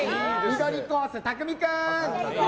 緑コース、たくみ君。